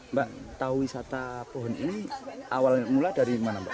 mbak tahu wisata pohon ini awal mula dari mana mbak